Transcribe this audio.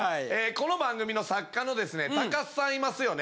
この番組の作家のですね高須さんいますよね？